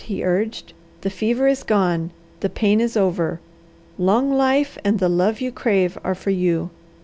he urged. "The fever is gone. The pain is over! Long life and the love you crave are for you.